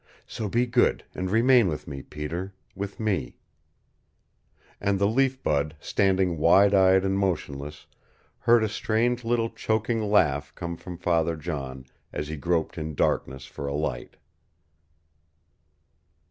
So be good, and remain with me, Peter with me " And the Leaf Bud, standing wide eyed and motionless, heard a strange little choking laugh come from Father John as he groped in darkness for a light.